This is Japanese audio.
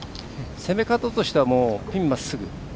攻め方としてはピンまっすぐ？